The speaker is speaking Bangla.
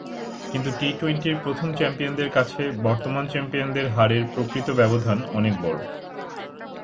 কিন্তু টি-টোয়েন্টির প্রথম চ্যাম্পিয়নদের কাছে বর্তমান চ্যাম্পিয়নদের হারের প্রকৃত ব্যবধান অনেক বড়।